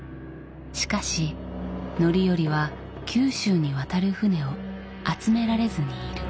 しかし範頼は九州に渡る船を集められずにいる。